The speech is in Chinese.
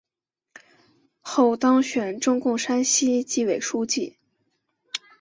后当选中共山西省纪委书记。